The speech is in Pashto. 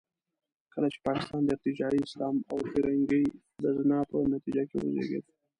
کله چې پاکستان د ارتجاعي اسلام او پیرنګۍ د زنا په نتیجه کې وزېږېد.